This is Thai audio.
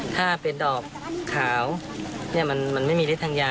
ถ้าเป็นดอกขาวมันไม่มีฤทธทางยา